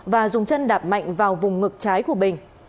và dùng chân đạp mạnh vào vùng ngực trái của bình